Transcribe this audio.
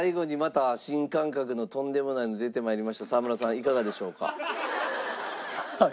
いかがでしょうか？